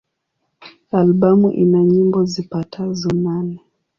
Albamu ina nyimbo zipatazo nane.